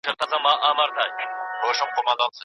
کله چي سترخان هوار سو، يوه سړي به پنير راوړل.